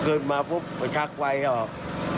คืนมาปุ๊บชักไฟออก